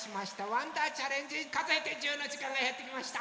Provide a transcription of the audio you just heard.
「わんだーチャレンジかぞえて１０」のじかんがやってきました。